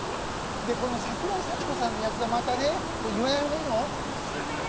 桜井幸子さんの役がまた、これね、言わない方がいいの？